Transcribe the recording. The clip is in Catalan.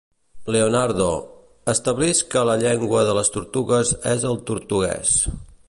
Leonardo: establisc que la llengua de les tortugues és el tortuguès.